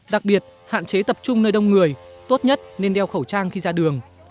đặc biệt hạn chế tập trung nơi đông người tốt nhất nên đeo khẩu trang khi ra đường